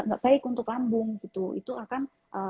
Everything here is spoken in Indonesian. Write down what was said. tidak baik untuk lambung itu akan